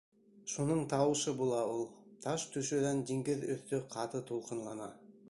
Шуның тауышы була ул; таш төшөүҙән диңгеҙ өҫтө ҡаты тулҡынлана.